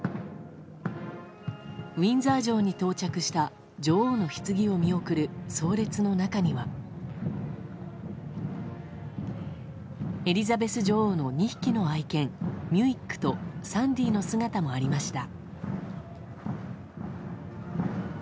ウィンザー城に到着した女王のひつぎを見送る葬列の中にはエリザベス女王の２匹の愛犬ミュイックとサンディの姿もありました。